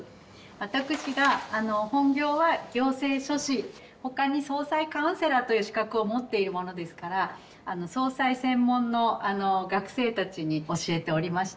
私が本業は行政書士他に葬祭カウンセラーという資格を持っているものですからあの葬祭専門の学生たちに教えておりまして。